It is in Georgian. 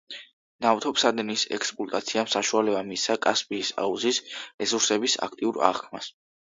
ნავთობსადენის ექსპლუატაციამ საშუალება მისცა კასპიის აუზის რესურსების აქტიურ აღქმას.